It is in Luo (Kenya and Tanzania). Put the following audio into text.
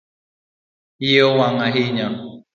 iye nowang' ahinya